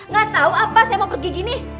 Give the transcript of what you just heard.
gak tahu apa saya mau pergi gini